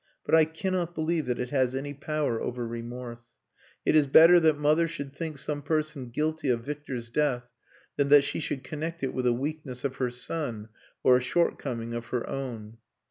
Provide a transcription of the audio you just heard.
But I cannot believe that it has any power over remorse. It is better that mother should think some person guilty of Victor's death, than that she should connect it with a weakness of her son or a shortcoming of her own."